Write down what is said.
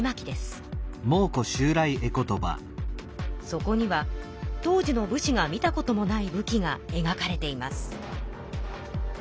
そこには当時の武士が見たこともない武器がえがかれています。